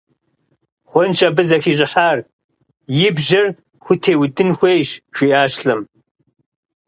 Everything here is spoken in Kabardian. Хъунщ абы зэхищӀыхьар, и бжьэр хутеудын хуейщ, – жиӀащ лӏым.